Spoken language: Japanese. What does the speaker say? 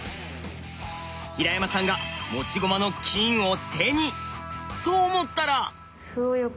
平山さんが持ち駒の金を手に！と思ったら。